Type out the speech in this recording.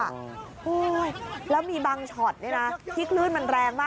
โอ้โหแล้วมีบางช็อตเนี่ยนะที่คลื่นมันแรงมาก